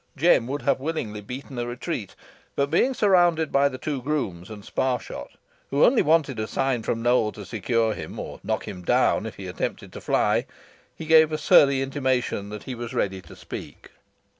Jem would have willingly beaten a retreat; but being surrounded by the two grooms and Sparshot, who only waited a sign from Nowell to secure him, or knock him down if he attempted to fly, he gave a surly intimation that he was ready to speak.